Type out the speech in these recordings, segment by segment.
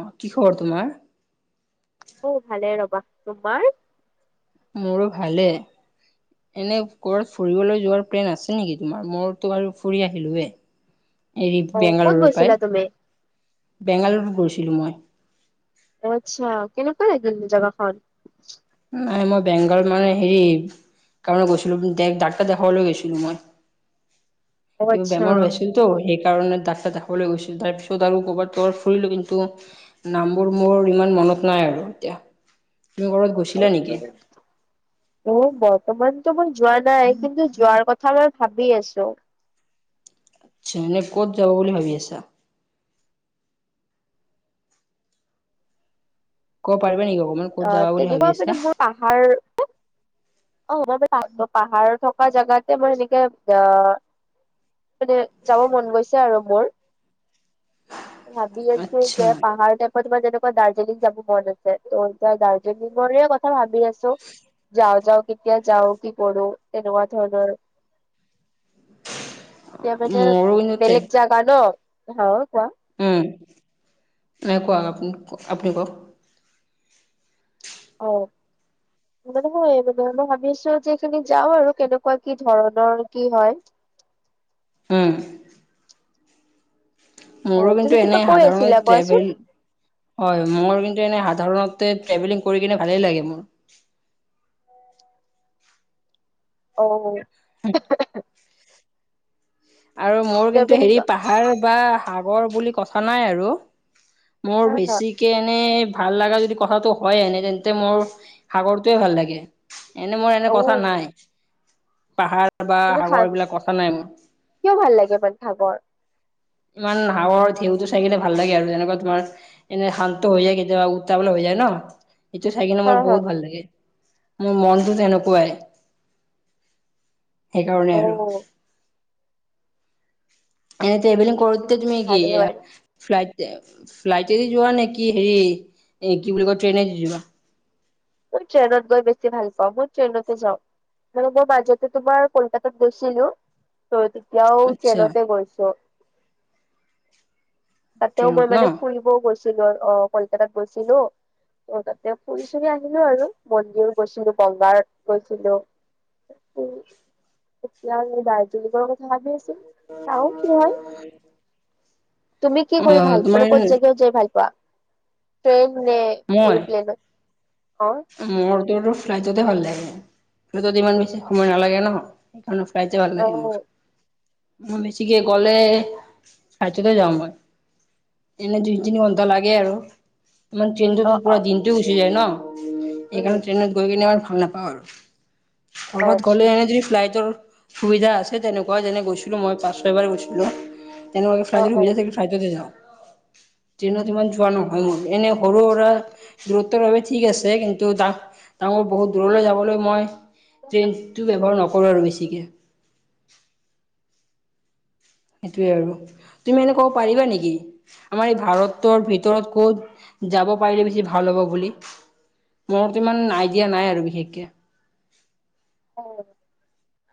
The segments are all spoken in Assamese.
অহ কি খবৰ তোমাৰ? অ ভালে ৰবা। তোমাৰ? মোৰো ভালে। এনে কৰত ফুৰিবলৈ যোৱাৰ প্লেন আছে নেকি তোমাৰ? মোৰতো বাৰু ফুৰি আহিলোয়ে। উ [unintelligible] এৰি অ ক'ত বেংগালুৰুৰ গৈছিলা পৰাই, তুমি বেংগালুৰুত গৈছিলো মই। আচ্ছা। কেনেকুৱা জাগাখন নাই মই বেংগল মানে হেৰি, কাৰন গৈছিলো ডাক্তৰ দেখাবলৈ গৈছিলো মই। অ কিবা আচ্ছা বেমাৰ হৈ তো সেই কাৰণে ডাক্ত দেখাবলৈ গৈছিল। তাৰ পিছত আৰু কৰবাত ত ফুৰিলো কিন্তু নামবোৰ মোৰ ইমান মন মনত নাই আৰু এতিয়া তুমি কৰো বাত অ বত [unintelligible] [unintelligible] তোমাৰতো মই যোৱা নাই। কিন্তু, যোৱাৰ কথা আমাৰ ভাবি আছো। আচ্ছা, এনেই ক'ত যাব বুলি ভাবি আছা? কব পাৰি নেকি কব অ, তেনেকুৱা মানে মোৰ পাহাৰ অ মই মানে পাহাৰ থকা জোগাতে মই এনেকে অ- মানে যাব মন গৈছে আৰু মোৰ। ভাবি আছো যে আচ্ছা। পাহাৰ টাইপৰ তোমাৰ যেনেকুৱা দাৰ্জিলিং যাব মন আছে ত- তই দাৰ্জিলিঙৰে কথা ভাবি আছো। যাওঁ, যাওঁ কেতিয়া যাওঁ কি কৰ়ো তেনেকুৱা ধৰণৰ। এতিয়া মানে মোৰো কিন্তু তে বেলেগ জাগা ন, অহকোৱা কেনেকুৱা আপু আপুনি কওক? অ। মানে, মই মই ভাবি আছো যে এইখিনি যাওঁ আৰু কেনেকুৱা কি ধৰণৰ কি হয়? হম। অ মোৰো তুমি কিন্তু এনে কিবা কৈ আছিলা সাধাৰণতে কোৱাচোন ট্ৰেভেল হয় মোৰ কিন্তু সা সাধাৰণতে ট্ৰেভেলিং কৰি কিনে ভালেই লাগে মোৰ। অহ শুম আৰু মোৰ কিন্তু ট্ৰেভেলিং হেৰি পাহাৰ বা সাগৰ বুলি কথা নাই আৰু। মোৰ হা হা বেছিকে এনেই ভাল লগা যদি কথাতটো হয়, এনে তেন্তে মোৰ সাগৰটোৱে ভাল লাগে। এনে মোৰ এনে অ কথা নাই পাহাৰ বা তুমি খা সাগৰ এইবিলাক কথা নাই মোৰ। কিয় ভাল লাগে ইমান ভাগৰ ইমান সাগৰত ঢেউটো চাইকিনে ভাল লাগে আৰু তেনেকুৱা। তোমাৰ এনে শান্ত হৈ যায়, কেতিয়াবা উত্ত পালে হৈ যায় ন এইটো চাই কিনে হা মোৰ হা বহুত ভাল লাগে। মোৰ মনতটো তেনেকুৱাই সেইকাৰণে অ আৰু এনে ট্ৰেভিলিং কৰোঁতে উম তুমি কি ভালেই বাৰু ফ্লাইট এ, ফ্লাইট এদি যোৱা নেকি হেৰি এ কি বুলি কয় ট্ৰেইনেদি যোৱা মোৰ ট্ৰেইনত গৈ বেছি ভাল মই ট্ৰেইনতে যাওঁ। মানে, মই মাজতে তোমাৰ কলকাতা গৈছিলো। হয় তেতিয়াও আচ্ছা ট্ৰেইনতে গৈছো। তাতেও ট্ৰেইনত মই ন মানে ফুৰিবও গৈছো। অ, কলকাতাত গৈছিলো। ত, তাতে ফুৰি চুৰি আহিলো আৰু মন্দিৰ গৈছিলো, বংগাৰ গৈছিলো। উম এতিয়া দাৰ্জিলিঙৰ কথা ভাবি আছো। চাও কি হয়। তুমি কি কৰি অ ভাল তোমাৰ মানে ক'ত জেগাই যাই ভাল পোৱা? এৰপ্লেনত মোৰটো ফ্লাইটতে ভাল লাগে। ফ্লাইটত ইমান বেছি সময় নালাগে ন। ফ্লাইটতে ভাল অ লাগে মোৰ। উম, বেছি কে গলে চাৰ্যতে যাম মই। এনে দুই তিনি ঘন্টা লাগে আৰু। মানে অ ত্ৰেইনত অ পৰা দিনটো গুচি যায় ন, উম এইকাৰণে ত্ৰেইনত গৈ কিনে আমাৰ ভাল নাপাওঁ আৰু অ ক'ৰবাত আচ্ছা গ'লে এনেই যদি ফ্লাইটৰ সুবিধা আছে তেনেকুৱা যেনে গৈছিলো মই পাঁচ ছয় এবাৰ গৈছিলো। তেনেকুৱা অ ফ্লাইটত অ সুবিধা ফ্লাইটতে যাওঁ ট্ৰেইনত ইমান যোৱা নহয় এনে সৰু সুৰা দূৰত্ব বাবে ঠিক আছে কিন্তু ডাঙৰ বহুত দূৰলৈ যাবলৈ মই ট্ৰেইনটো ব্যৱহাৰ নকৰো কৰো আৰু বেছিকে। সেইটোয়ে আৰু তুমি এনে ক'ব পাৰিবা নেকি আমাৰ এই ভাৰতৰ ভিতৰত ক'ত যাব পাৰিলে বেছি ভাল হ'ব বুলি মোৰতো ইমান আইডিয়া নাই আৰু বিশেষকে অ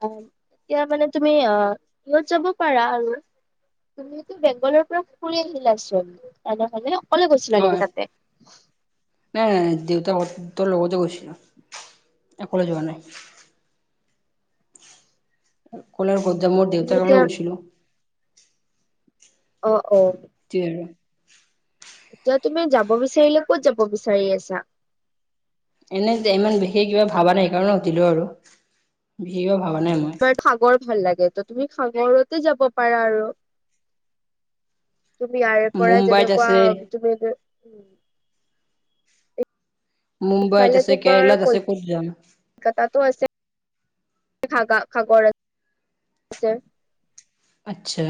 অ এতিয়া মানে তুমি আহ ইহঁত যাব পাৰা আৰু তুমিতো বেংগলৰ পৰা ফুৰি আহিলা চোন তেনেহলে কলে গৈছিলা অ নেকি তাতে তেওঁৰ লগতে গৈছিল অকলে যোৱা নাই কলাৰ গদাম মোৰ তুমি দেউতাৰ এতিয়া কাৰণে গৈছিলো অ অ তি আৰু এতিয়া তুমি যাব বিচাৰিলে কত যাব বিচাৰি আছা এনে ইমান বিশেষ কিবা ভবা নাই সেইকাৰণে সুধিলো আৰু বিশেষ কিবা ভাবা নাই মই তোমাৰ সাগৰ ভাল লাগে তেতিয়া তুমি সাগৰতে যাব পাৰা আৰু তুমি ইয়াৰ পৰা মুম্বাইত যেনেকুৱা আছে তুমি মুম্বাইত ইফালে আছে তোমাৰ কেৰেলাত আছে কল ক'ত যাম কাতাতো আছে সাগা সাগৰ আছে আচ্ছা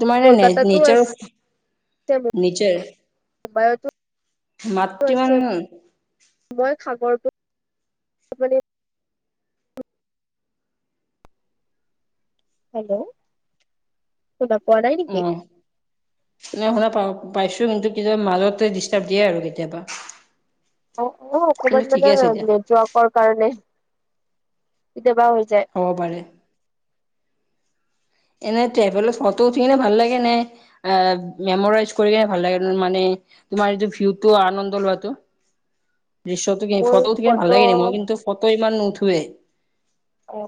তোমাৰ নে নে নেচাৰৰ ত [unintelligible] মতিবান সাগৰ প [unintelligible] হেল্ল' শুনা পোৱা নাই নেকি অহ ন শুনা পাওঁ পাইছো কিন্তু কেতিয়াবা মাজতে ডিষ্টাৰ্ব দিয়ে আৰু কেতিয়াবা অ অ কিন্তু অকমান ঠিকে মানে আছে দিয়া নেটৱৰ্কৰ কাৰণে কেতিয়া বা হৈ যায় হ'ব পাৰে এনেতে এবোলে ফটো উঠিনে ভাল লাগে কেনে মেমৰেজ কৰি কেনে ভাল লাগে মানে তোমাৰ এইটো ভিউটো আনন্দ লোৱাটো দূশ্যটো কি মোৰ ফটো উঠি ভাল লাগে ন ফটো মই কিন্তু ফটো ইমান নুঠোৱে অ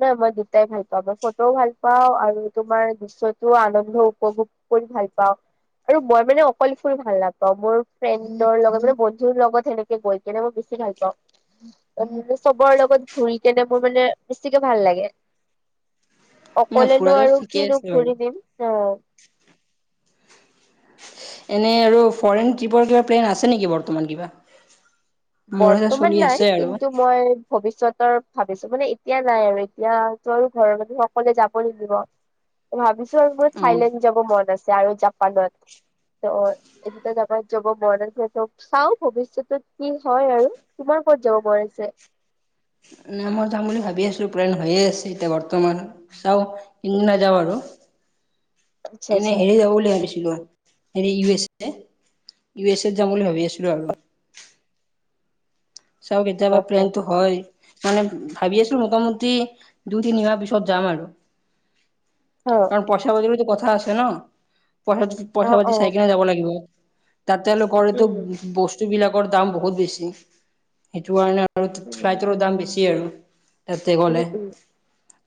নাই মই দুটাই ভাল পাওঁ মই ফটোও ভাল পাওঁ আৰু তোমাৰ দৃশ্যতো আনন্দও উপভোগ কৰি ভাল পাওঁ। আৰু মই মানে অকল ফুৰি ভাল না। মোৰ ফ্ৰেণ্ডৰ লগত মানে বন্ধুৰ লগত সেনেকে গৈ কেনে মই বেছি ভাল পাওঁ। মানে চবৰ লগত ঘূৰি কিনে মোৰ মানে বেছিকে ভাল লাগে। ন অকলেনো ফুৰাটো আৰু ঠিকে কিনো আছে বাৰু ঘূৰি দিম, অ। [inaudible] এনে আৰু ফৰেন ট্ৰিপৰ কিবা প্লেন আছে নেকি বৰ্তমান কিবা? মোৰ এটা বৰ্তমান চলি নাই। আছে আৰু কিন্তু মই ভৱিষ্যত ত ভাবিছো মানে এতিয়া নাই আৰু এতিয়া তো আৰু ঘৰৰ মানুহ সকলোৱে যাব নিদিব। ভাবিছো আৰু মোৰ অ থাইলেণ্ড যাব মন আছে আৰু জাপানত। [unintelligible] চাও ভৱিষ্যতে। কি হয় আৰু তোমাৰ ক'ত যাব মন আছে? ন মই যাম বুলি ভাবি আছিলো। প্লন হৈয়ে আছে এতিয়া বৰ্তমান। যাও ইম নাযাওঁ আৰু। [unintelligible] আচ্ছা এনে আচ্ছা হেৰি যাব বুলি ভাবি হেৰি U S A U S এত যাম বুলি ভাবি আছিলো আৰু। চাওঁ কেতিয়া অ বা প্লেনতো হয়? মানে ভাবিআছিলো মোটামুটি দুই তিনিমাহ পিছত যাম আৰু। অ কাৰণ পইচা পাতিৰতো কথা আছে ন। পইচা অ পইচা পাতি অ চাইকেলে যাব লাগিব। তাতে লগৰেটো উম বস্তু বিলাকৰ দাম বহুত বেছি সেইটো কাৰণে, আৰু উম ফ্লাইটৰো দাম বেছি আৰু। তেতে গ'লে। উম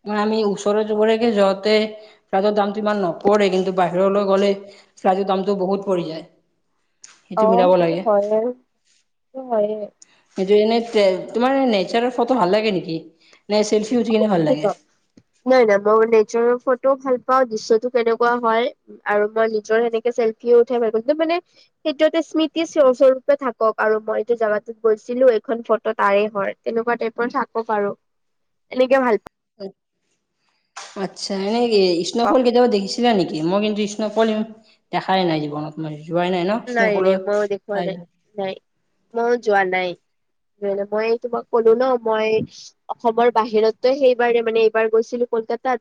ম আমি ওচৰ যুবৰেকে যাওঁতে ৰাৰ দামটো ইমান নপৰে কিন্তু বাহিৰলৈ গ'লে প্লাজু দামটো বহুত পৰি যায়। অ সেইটো মিলাব সেইটোও লাগে হয় আৰু সেইটো হয়ে। কি এনে? তোমাৰ নেচাৰৰ ফটো ভাল লাগে নেকি? নে চেল্ফি উঠি কিনে ভাল লাগে নাই নাই মই নেচাৰৰ ভাল পাওঁ দৃশ্যতটো কেনেকুৱা হয় আৰু মই নিজৰ সেনেকে চেল্ফিও উঠাই ভাল পা কিন্তু মানে সেইটোতে স্মৃতিয়ে স্বৰূপে থাকক আৰু মই এইটো জেগাটোত গৈছিলো এইখন ফটো তাৰে হয় তেনেকুৱ [unintelligible] থাক'ক আৰু। উ [inaudible] এনেকে ভাল পাওঁ আচ্ছা এনেই ইষ্ণফল কেটিবা দেখি ছিলা নেকি মই কিন্তু ইষ্ণফল ইমান দেখাই নাই জীৱনত মই। যোৱাই ন নাই স্ন'ফলৰ নাই মই দেখুৱা ঠাইত নাই নাই মই যোৱা নাই। মই তোমাক ক'লো ন মই অসমৰ বাহিৰতে সেইবাৰে মানে এইবাৰ গৈছো। কলকাতাত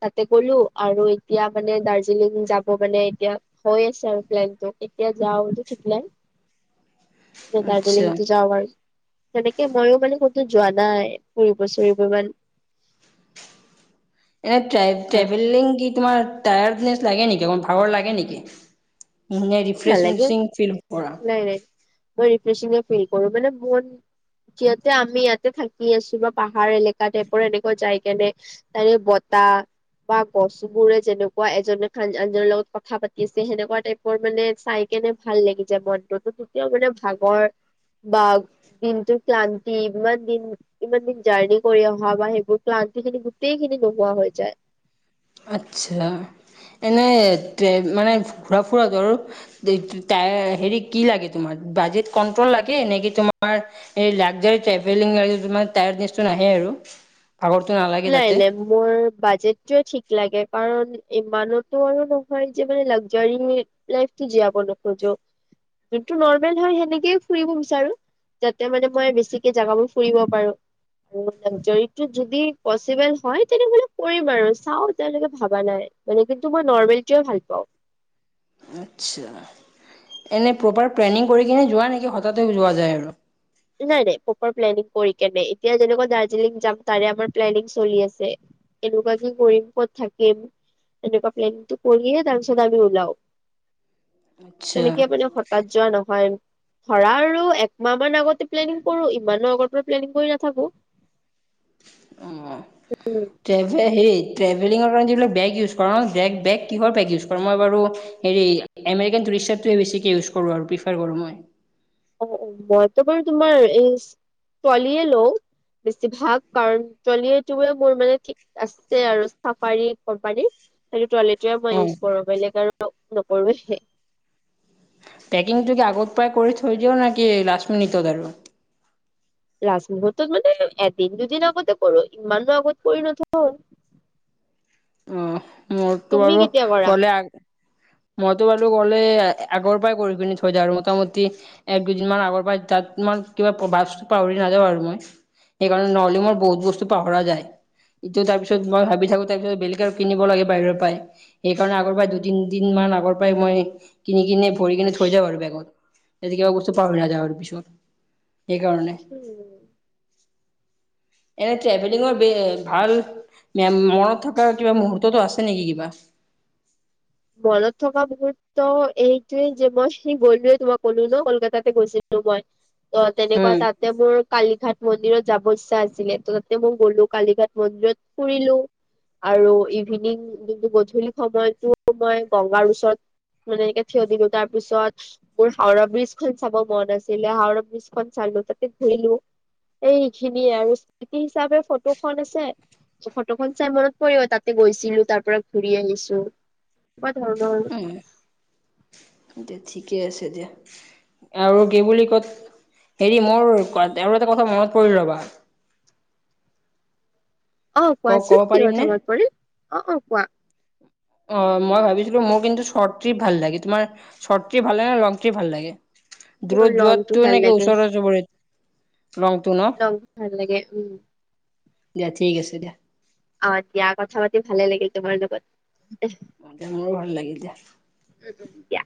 তাতে গলো আৰু এতিয়া মানে দাৰ্জিলিং যাব মানে এতিয়া হয় চৰপ্লেনটো। এতিয়া যাওঁ বতো ঠিক লাই আচ্ছা। দাৰ্জিলিংতো যাওঁ বাৰু। তেনেকে ময়ো মানে কতো যোৱা নাই ফুৰিব চুৰিব ইমান। এনে ট্ৰেভেলিং কি তোমাৰ টায়াৰ্ডনেছ লাগে নেকি ভাৱাৰ লাগে নেকি? উ নাই নালাগে ৰিফ্ৰেছি ফিল পৰা নাই নাই [unintelligible] ফিল কৰো মানে যিহতে আমি ইয়াতে থাকি আছো বা পাহাৰ এলেকা টাইপৰ এনেকুৱা জায় কেনে তাৰে তা বা গছ বোৰে যেনেকুৱা এজনে আনজনৰ লগত কথা পাতি আছে সেনেকুৱা টাইপৰ মানে চাই কেনে ভাল লাগি যায় মনটোতো তেতিয়াও মানে ভাগৰ বা দিনটোৰ ক্লান্তি ইমান দিন ইমান দিন জাৰ্ণি কৰি অহা বা সেইবোৰ ক্লান্তি খিনি গোটেইখিনি নোহোৱা হৈ যায়। আচ্ছা এনেই মানে ঘুৰা ফুৰাতো আৰু হেৰি কি লাগে তোমাৰ? বাজেট কন্ট্ৰল লাগে নেকি তোমাৰ এই লাকজাৰী ট্ৰেভেলিং তমাৰ টায়াৰ্চটো নাহে আৰু? আৰু নাই নাই মোৰ বাজেটটো ঠিকে লাগে কাৰণ ইমানতো আৰু নহয় যে মানে লাগজাৰী লাইফটো জীয়াব নোখোজো যোনটো নৰ্মেল হয় সেনেকেই ফুৰিব বিচাৰো। যাতে মানে মই বেছিকে জেগাবোৰ ফুৰিব পাৰো আৰু ল যদি পচিবল হয় তেনেহ'লে কৰিম আৰু চাওঁ তেওঁলোকে ভবা নাই মানে কিন্তু মই নৰ্মেলিট ভাল পাওঁ। হয় [inaudible] আচ্ছা এনে প্ৰপাৰ প্লেনিং কৰি কিনে যোৱা নেকি হঠাতে যোৱা যায় আৰু? নাই নাই প্ৰপাৰ প্লেনিং কৰি কেনে। এতিয়া যেনেকুৱা দাৰ্জিলিং যাম তাৰে আমাৰ প্লেনিং চলি আছে। এনেকুৱা কি কৰিম, ক'ত থাকিম? এনেকুৱা প্লেনিটো কৰি তাৰপিছত আমি ওলাওঁ। তেনেকে আচ্ছা মানে হঠাৎ যোৱা নহয় ধৰা আৰু একমাহ মান আগত প্লেনিং কৰো ইমান আগৰ পৰা প্লেনিং কৰি নাথাকো। উম ট্ৰেভেলিংৰ কাৰণে যিবিলাক বেগ ইউজ কৰা ন, বেগ বেগ কিহৰ বেগ ইউজ কৰা? মই বাৰু হেৰি আমেৰিকান ৰিছেট টোৱে বেছিকে ইউজ কৰোঁ আৰু প্ৰিফেইৰ কৰোঁ মই। অ-অ মইতো বাৰু তোমাৰ এই ট্ৰলীয়ে লও। বেছিভাগ। কাৰণ ট্ৰলী [unintelligible] মোৰ মানে ঠিক আছে আৰু চাফাৰী কোম্পানীৰ। সেই ট্ৰলীটোৱে মই অ ইউজ কৰো। বেলেগ আৰু নকৰোৱে। পেকিংটো কি আগত পায় কৰি থৈ দিয় নে কি লাষ্ট মিনিটত আৰু? লাষ্ট মুহূৰ্তত মানে এদিন দুদিন আগতে কৰো। ইমানো আগত কৰি নথও। অ মোৰ তো তুমি বাৰু কেতিয়া কৰা কলে আ মইতো বাৰু গ'লে আগৰ পৰাই কৰি পিনি থৈ দিওঁ। মোটামুটি এক, দুদিন মান আগৰ পৰাই তাত কিবা বাচ পাহৰি নাযাওঁ আৰু মই সেইকাৰণে নহলে মোৰ বহুত বস্তু পাহৰা যায়। ইটো তাৰপিছত মই ভাবি থাকো তাৰ পিছত বেলেগ আৰু কিনিব লাগে বাহিৰৰ পাই। সেইকাৰণে আগৰ পৰাই দুদিন দিন মান আগৰ পৰাই মই কিনি কিনে ভৰি কিনে থৈ যাওঁ আৰু বেগত। যাতে কিবা বস্তু আৰু পাহৰি নাযাওঁ আৰু পিছত। সেইকাৰণে উম। [inaudible] এনে ট্ৰেভেলিঙৰ বে ভাল মনত থকা কিবা মুহুৰ্তটো আছে নেকি কিবা? [inaudible] মনত থকা মুহূৰ্ত এইটোৱে যে মই সি গ'লোৱে তোমাক ক'লো ন কলকাতাতে গৈছিল লো মই। ত তেনেকুৱা উম তাতে মোৰ কালীঘাট মন্দিৰত যাব ইচ্ছা আছিলে। ত তাতে মই গ'লো, কালিঘাট মন্দিৰত ফুৰিলো। আৰু ইভিনিং যোনটো গধূলি সময়তো মই গংগাৰ ওচৰত মানে এনেকে থিয় দিলো। তাৰ পিছত মোৰ হাওৰা ব্ৰীজ খন চাব মনত আছিলে। হাওৰা ব্ৰীজ খন চা তাতে ঘূৰিলো। এই সেইখিনিয়ে আৰু স্মৃতি হিচাপে ফটো খন আছে। ফটোখন চাই মনত পৰিব, তাতে গৈছিলো, তাৰ পৰা ঘুৰি আহিছো। [unintelligible] এতিয়া ঠিকে আছে দিয়া আৰু কি বুলি ক'ত হেৰি মোৰ আৰু এটা কথা মনত পৰিল ৰবা। অ ক ক'ব কোৱাচোন কি পাৰিম নে? কথা মনত পৰিল? অ, অ কোৱা। অ মই ভাবিছিলো মোৰ কিন্তু শ্বৰ্ট ট্ৰিপ ভাল লাগে। তোমাৰ শ্বৰ্ট ট্ৰিপ ভাল লাগে নে লং ট্ৰিপ ভাল লাগে? মোৰ দূৰত লংটো যোৱাতটো ভাল নে ওচৰ পা [unintelligible] লং ভাল লাগে। উম। দিয়া ঠিক আছে দিয়া। অ দিয়া কথা পাতি ভালে লাগিল তোমাৰ লগত। মোৰো ভাল লাগিল দিয়া। ও-ও-ও দিয়া।